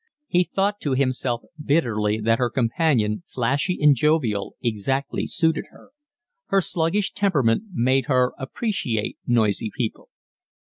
He thought to himself bitterly that her companion, flashy and jovial, exactly suited her. Her sluggish temperament made her appreciate noisy people.